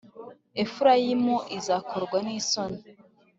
Efurayimu izakorwa n’isoni,